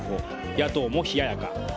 野党も冷ややか。